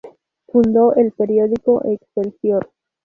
Fundó el periódico "Excelsior".